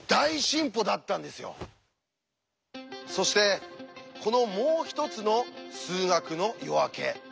そしてこの「もう一つの数学の夜明け」。